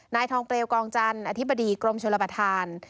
นายทองเปลวกองจันทร์อธิบดีกรมชลประธาน